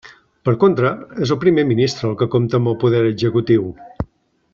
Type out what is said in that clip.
Per contra, és el primer ministre el que compta amb el poder executiu.